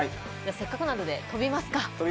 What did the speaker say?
せっかくなので飛びますか。